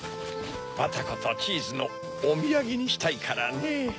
バタコとチーズのおみやげにしたいからねぇ。